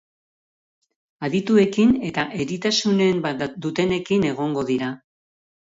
Adituekin eta eritasunen bat dutenekin egongo dira.